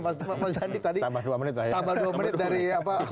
mas andi tadi tambah dua menit dari apa